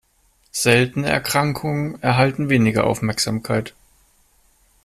Seltene Erkrankungen erhalten weniger Aufmerksamkeit.